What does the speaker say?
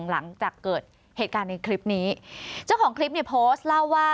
หลังจากเกิดเหตุการณ์ในคลิปนี้เจ้าของคลิปเนี่ยโพสต์เล่าว่า